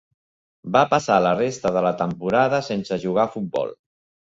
Va passar la resta de la temporada sense jugar a futbol.